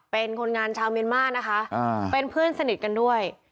เป็นคนงานชาวเมียนมานะคะเป็นเพื่อนสนิทกันด้วย